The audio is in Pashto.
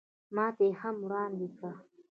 ماته یې هم وړاندې کړ.